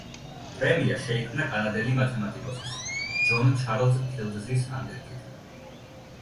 პრემია შეიქმნა კანადელი მათემატიკოსის, ჯონ ჩარლზ ფილდზის ანდერძით.